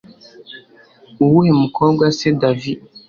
uwuhe mukobwa se davi!